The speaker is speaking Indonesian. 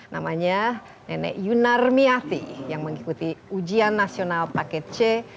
namanya nenek yunar miati yang mengikuti ujian nasional paket c